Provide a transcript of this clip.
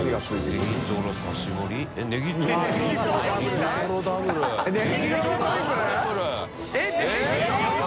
ネギトロ４？